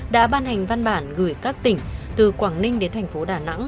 đã ban hành văn bản gửi các tỉnh từ quảng ninh đến thành phố đà nẵng